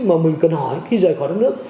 mà mình cần hỏi khi rời khỏi đất nước